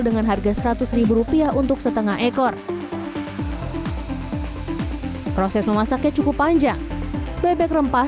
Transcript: dengan harga seratus ribu rupiah untuk setengah ekor proses memasaknya cukup panjang bebek rempah